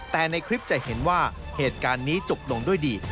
แต่ในคลิปจะเห็นว่าเหตุการณ์นี้จบลงด้วยดี